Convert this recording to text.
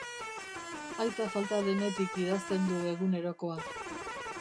Aita falta denetik idazten du egunerokoa.